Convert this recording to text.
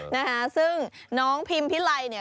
นะคะซึ่งน้องพิมพิไลเนี่ย